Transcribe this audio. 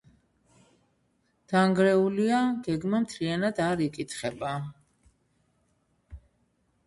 დანგრეულია, გეგმა მთლიანად არ იკითხება.